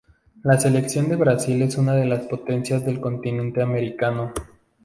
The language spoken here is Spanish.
La selección de Brasil es una de las potencias del continente americano.